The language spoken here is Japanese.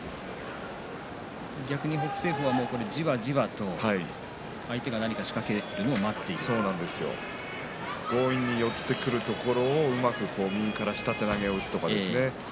北青鵬はじわじわと相手が何かを仕掛けるのを強引に寄ってくるところをうまく下手投げをするとかですね。